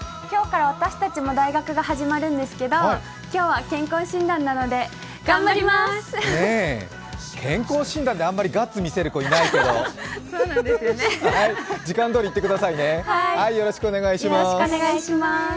今日から私たちも大学が始まるんですけど、今日は健康診断なので頑張ります！